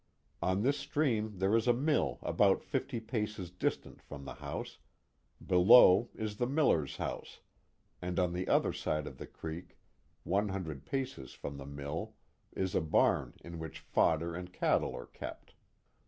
On this stream there is a mill about fifty paces distant from the house, below is the miller's house, and on the other side of the creek one hundred paces from the mill is a barn in which fodder and cattle are kept.